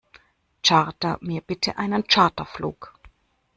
Charter mir bitte einen Charterflug.